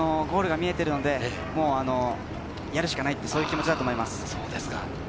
ゴールが見えているので、やるしかない、そういう気持ちだと思います。